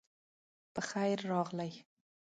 پخير راغلئ